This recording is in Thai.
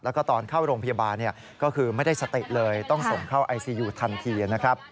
แล้วก็ตอนเข้าโรงพยาบาลก็คือไม่ได้สติเลยต้องส่งเข้าไอซียูทันทีนะครับ